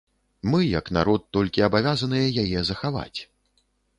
Мы як народ толькі абавязаныя яе захаваць.